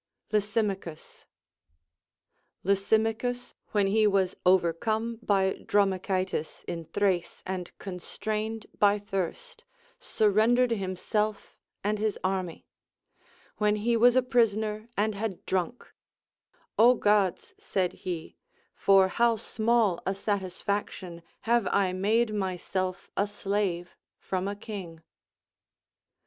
Lysimachus. Lysimachus, when he was overcome by Dromichaetas in Thrace and constrained by thirst, sur rendered himself and his army,• When he was a prisoner, and had drunk ; Ο Gods, said he, for how small a satisfac tion have I made myself a slave from a king